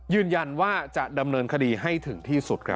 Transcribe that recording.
ยืนยันว่าจะดำเนินคดีให้ถึงที่สุดครับ